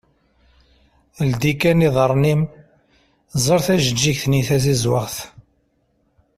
Ldi kan iḍarren-im ẓer tajeğğigt-nni tazizwaɣt.